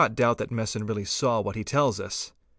doubt that Messon really saw what he tells us.